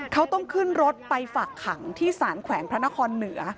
เขาต้องขึ้นรถไปฝากขังที่สารแขวงพระนครเหนือ